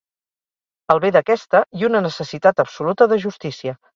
El bé d'aquesta i una necessitat absoluta de justícia